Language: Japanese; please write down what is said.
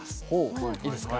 いいですか？